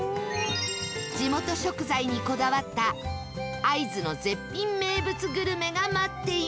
地元食材にこだわった会津の絶品名物グルメが待っています